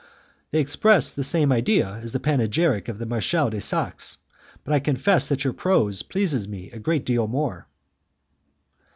"They express the same ideas as the panegyric of the Marechal de Saxe, but I confess that your prose pleases me a great deal more."